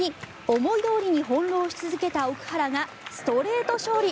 思いどおりに翻ろうし続けた奥原がストレート勝利。